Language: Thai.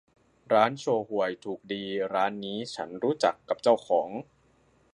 ร้านโชห่วยถูกดีร้านนี้ฉันรู้จักกับเจ้าของ